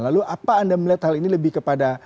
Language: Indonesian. lalu apa anda melihat hal ini lebih kepada